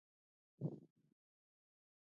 خلکو انګلیسي توکي بایکاټ کړل.